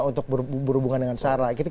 untuk berhubungan dengan sara